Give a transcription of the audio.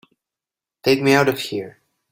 Take me out of here!